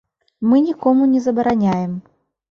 Мы нікому не забараняем.